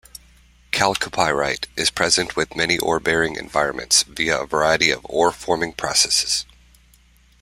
Chalcopyrite is present with many ore-bearing environments via a variety of ore forming processes.